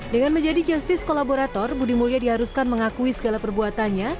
dengan menjadi justice kolaborator budi mulya diharuskan mengakui segala perbuatannya